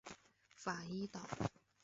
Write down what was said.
法伊岛。